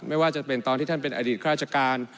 ไม่ว่าจะเป็นตอนที่ท่านเป็นอดีตข้าราชการ